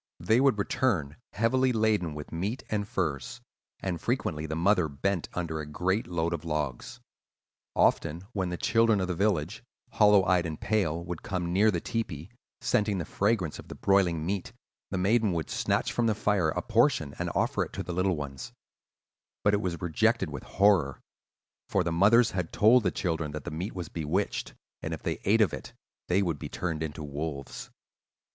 They would return heavily laden with meat and furs; and frequently the mother bent under a great load of logs. Often when the children of the village, hollow eyed and pale, would come near the tepee, scenting the fragrance of the broiling meat, the maiden would snatch from the fire a portion and offer it to the little ones; but it was rejected with horror; for the mothers had told the children that the meat was bewitched, and if they ate of it they would be turned into wolves.